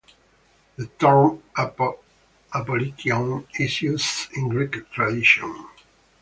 The term apolyikion is used in Greek tradition.